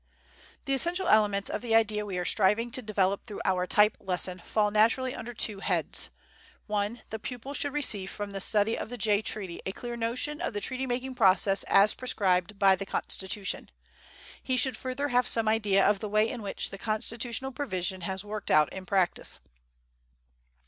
The essential elements of the idea we are striving to develop through our type lesson fall naturally under two heads: 1. The pupil should receive from the study of the Jay Treaty a clear notion of the treaty making process as prescribed by the Constitution. He should further have some idea of the way in which the constitutional provision has worked out in practice.